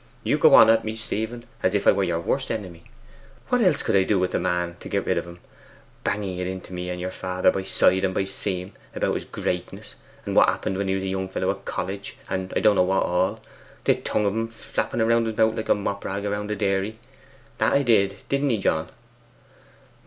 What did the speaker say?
'You go on at me, Stephen, as if I were your worst enemy! What else could I do with the man to get rid of him, banging it into me and your father by side and by seam, about his greatness, and what happened when he was a young fellow at college, and I don't know what all; the tongue o' en flopping round his mouth like a mop rag round a dairy. That 'a did, didn't he, John?